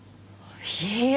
いいえ。